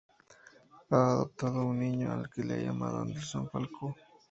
Ha adoptado un niño al que ha llamado Anderson Falco.